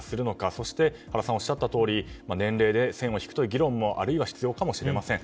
そして、原さんがおっしゃったとおり、年齢で線を引くという議論もあるいは必要かもしれません。